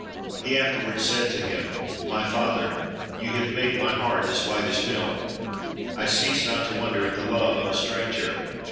He afterwards said to him, "My father, you have made my heart as white as milk. I cease not to wonder at the love of a stranger.